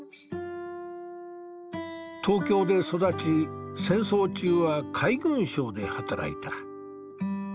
東京で育ち戦争中は海軍省で働いた。